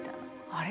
あれ？